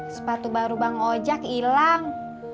sepatu baru bang ojak hilang